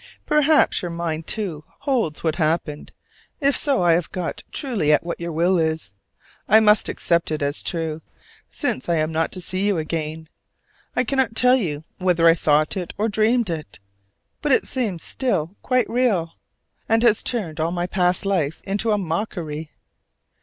Perhaps your mind too holds what happened, if so I have got truly at what your will is. I must accept it as true, since I am not to see you again. I cannot tell you whether I thought it or dreamed it, but it seems still quite real, and has turned all my past life into a mockery.